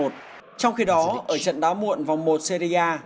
trong khi đó ở trận đá muộn vòng một serie a